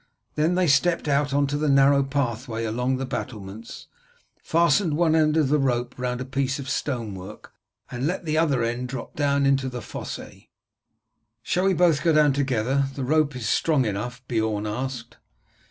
Then they stepped out on to the narrow pathway along the battlements, fastened one end of the rope round a piece of stonework and let the other end drop down into the fosse. "Shall we both go down together, the rope is strong enough?" Beorn asked.